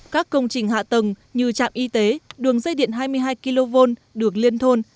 các công trình hạ tầng như trạm y tế đường dây điện hai mươi hai kv được liên thôn